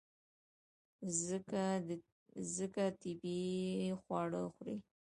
ځکه طبیعي خواړه خوري.